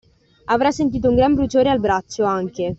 Avrà sentito un gran bruciore al braccio, anche!